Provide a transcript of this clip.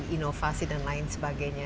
inovasi dan lain sebagainya